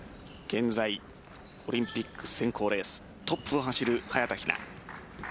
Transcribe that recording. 現在オリンピック選考レーストップを走る早田ひな。